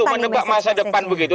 menebak masa depan begitu